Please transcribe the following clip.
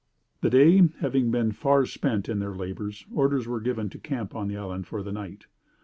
The day having been far spent in their labors, orders were given to camp on the island for the night.